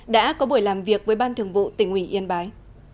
đã có buổi làm việc với ban thường vụ tỉnh ủy yên bái